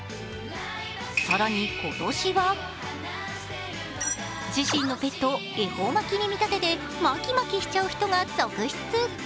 更に今年は自身のペットを恵方巻に見立てて巻き巻きしちゃう人が続出。